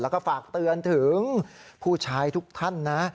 แล้วก็ฝากเตือนถึงผู้ชายทุกท่านนะ